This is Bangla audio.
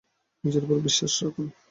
নিজের উপর বিশ্বাস রাখুন।